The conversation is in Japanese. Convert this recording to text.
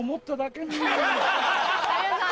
有吉さん